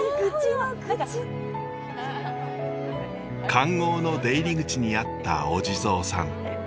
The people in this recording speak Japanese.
環ごうの出入り口にあったお地蔵さん。